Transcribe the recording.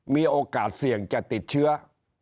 มีโอกาสเสี่ยงจะติดเชื้อ